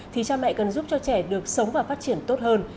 thì cha mẹ cần giúp cho trẻ được sống và phát triển tốt hơn